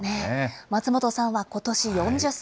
松本さんはことし４０歳。